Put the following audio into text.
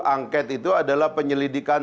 angket itu adalah penyelidikan